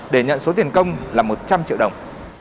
để nhận số tiền công là một trăm linh triệu đồng